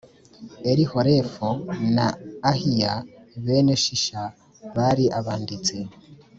Elihorefu na Ahiya bene Shisha bari abanditsi